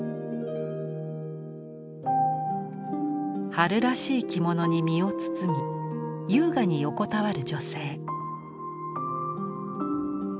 春らしい着物に身を包み優雅に横たわる女性。